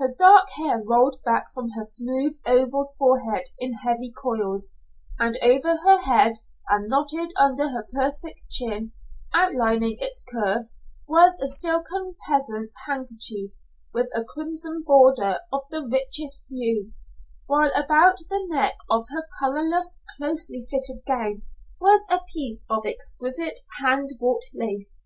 Her dark hair rolled back from her smooth oval forehead in heavy coils, and over her head and knotted under her perfect chin, outlining its curve, was a silken peasant handkerchief with a crimson border of the richest hue, while about the neck of her colorless, closely fitted gown was a piece of exquisite hand wrought lace.